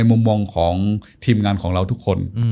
มุมมองของทีมงานของเราทุกคน